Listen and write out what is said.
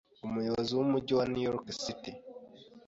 umuyobozi w'umujyi wa New York City,